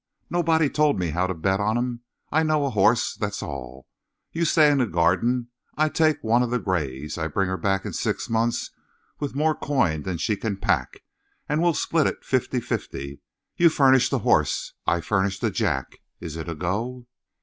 Nobody told me how to bet on 'em. I know a horse that's all! You stay in the Garden; I take one of the grays; I bring her back in six months with more coin than she can pack, and we split it fifty fifty. You furnish the horse. I furnish the jack. Is it a go?"